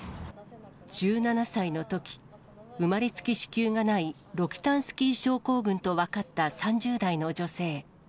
１７歳のとき、生まれつき子宮がない、ロキタンスキー症候群と分かった３０代の女性。